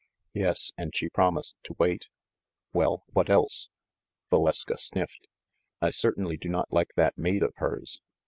"Yes, and she promised to wait." "Well, what else?" Valeska sniffed. "I certainly do not like that maid of hers.